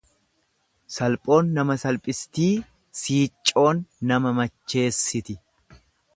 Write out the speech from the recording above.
Salphoon nama salphistii siiccoon nama macheessiti.